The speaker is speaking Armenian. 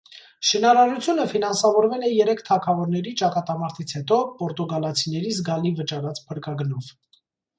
Շինարարությունը ֆինանսավորվել է երեք թագավորների ճակատամարտից հետո պորտուգալացիների զգալի վճարած փրկագնով։